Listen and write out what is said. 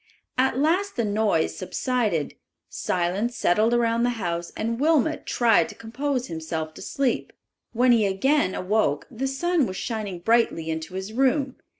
At last the noise subsided. Silence settled around the house and Wilmot tried to compose himself to sleep. When he again awoke the sun was shining brightly into his room.